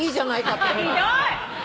ひどい！